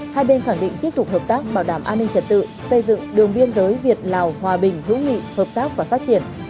hai bên khẳng định tiếp tục hợp tác bảo đảm an ninh trật tự xây dựng đường biên giới việt lào hòa bình hữu nghị hợp tác và phát triển